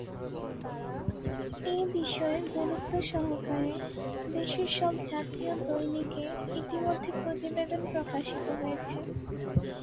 এ বিষয়ে গুরুত্বসহকারে দেশের সব জাতীয় দৈনিকে ইতিমধ্যে প্রতিবেদন প্রকাশিত হয়েছে।